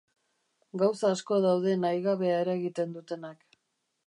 Gauza asko daude nahigabea eragiten dutenak.